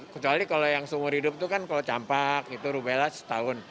kecuali kalau yang seumur hidup itu kan kalau campak itu rubella setahun